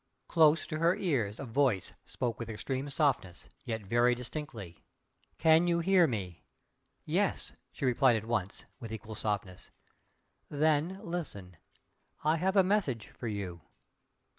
Close to her ears a Voice spoke with extreme softness, yet very distinctly. "Can you hear me?" "Yes," she replied at once, with equal softness. "Then, listen! I have a message for you!"